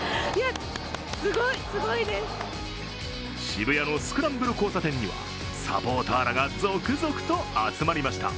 渋谷のスクランブル交差点にはサポーターらが続々と集まりました。